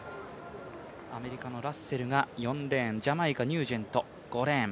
アメリカのラッセルが４レーンジャマイカのニュージェントが５レーン。